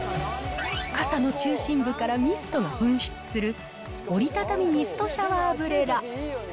傘の中心部からミストが噴出する、折りたたみミストシャワーブレラ。